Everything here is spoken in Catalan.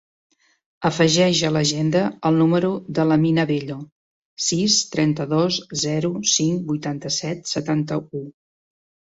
Afegeix a l'agenda el número de l'Amina Bello: sis, trenta-dos, zero, cinc, vuitanta-set, setanta-u.